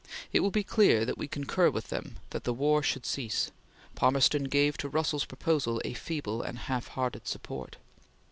It will be clear that we concur with them, that the war should cease. Palmerston gave to Russell's proposal a feeble and half hearted support.